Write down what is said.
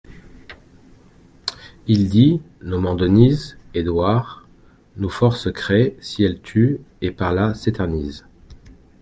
Il dit, nommant Denise, Edouard : Nos forces créent, si elles tuent ; et, par là, s'éternisent.